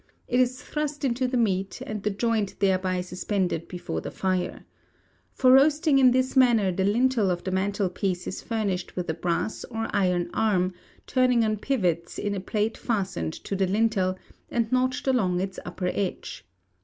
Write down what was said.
It is thrust into the meat, and the joint thereby suspended before the fire. For roasting in this manner the lintel of the mantel piece is furnished with a brass or iron arm, turning on pivots in a plate fastened to the lintel, and notched along its upper edge.